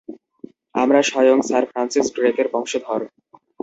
আমরা স্বয়ং sir Francis ড্রেকের বংশধর।